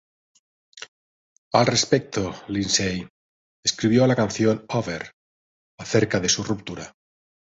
Al respecto, Lindsay escribió la canción Over, acerca de su ruptura.